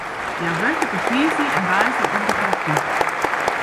Hja wurket op tiisdei en woansdei op de praktyk.